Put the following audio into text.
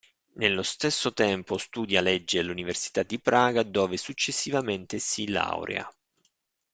Nello stesso tempo studia legge all'Università di Praga, dove successivamente si laurea.